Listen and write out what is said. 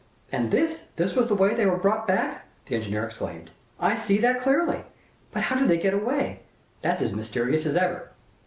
"And this this was the way they were brought back!" the engineer exclaimed. "I see that clearly. But how did they get away? That's as mysterious as ever."